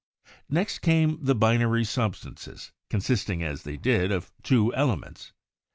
Next came the binary substances, consisting, as they did, of two elements.